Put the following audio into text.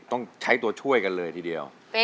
ต้องใช้ตัวช่วยกันเลยทีเดียว